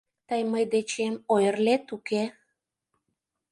— Тый мый дечем ойырлет-уке?